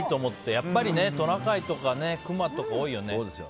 やっぱりトナカイとかクマとか多いよね。